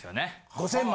５０００万？